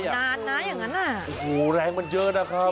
นานนะอย่างนั้นน่ะโอ้โหแรงมันเยอะนะครับ